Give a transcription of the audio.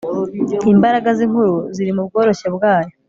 Imbaraga zinkuru ziri mubworoshye bwayo